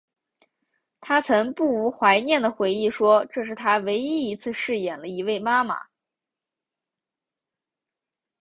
她曾不无怀念的回忆说这是她唯一一次饰演了一位妈妈。